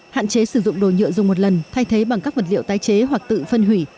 hạn chế sử dụng đồ nhựa dùng một lần thay thế bằng các vật liệu tái chế hoặc tự phân hủy